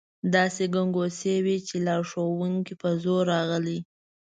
داسې ګنګوسې وې چې لارښوونکي په زور راغلي.